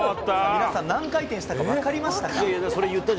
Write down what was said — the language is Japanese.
皆さん、何回転したか分かりましたか？